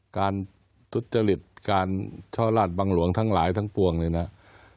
การทุจริตการช่อราชบังหลวงทั้งหลายทั้งปวงเลยนะครับ